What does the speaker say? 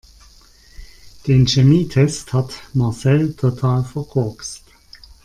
Den Chemietest hat Marcel total verkorkst.